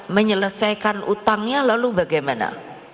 menyelesaikan utangnya lalu bagaimana